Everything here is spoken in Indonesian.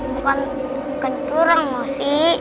bukan bukan curang mas si